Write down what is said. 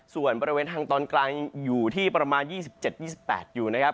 ส่วนบริเวณทางตอนกลางอยู่ที่ประมาณ๒๗๒๘อยู่นะครับ